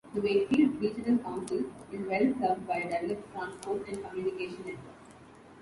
The Wakefield Regional Council is well served by a developed transport and communication networks.